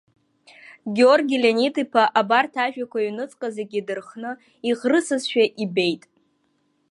Георги Леонид-иԥа абарҭ ажәақәа иҩнуҵҟа зегьы дырхны иӷрысызшәа ибеит.